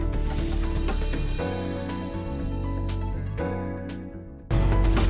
saya katakan juga dia punya harga retardan